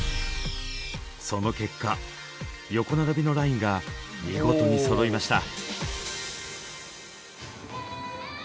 その結果横並びのラインが見事にそろいました。